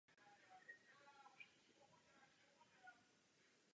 Domníváme se, že současný postup je ten správný.